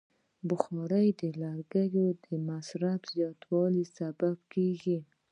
بخاري د لرګیو د مصرف زیاتوالی سبب کېږي.